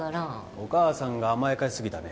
お母さんが甘やかしすぎたね。